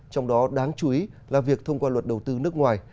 trong đó đáng chú ý là việc thông qua luật đầu tư nước ngoài